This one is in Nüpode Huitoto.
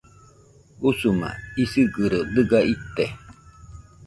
Usuma isigɨro dɨga ite